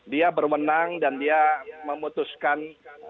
dia berwenang dan dia memutuskan